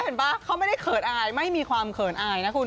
ป่ะเขาไม่ได้เขินอายไม่มีความเขินอายนะคุณ